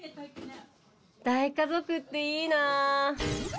大家族っていいな。